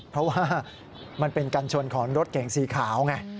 เพราะว่ามันเป็นกันชนของรถเก่งสีขาวไง